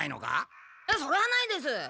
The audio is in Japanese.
それはないです。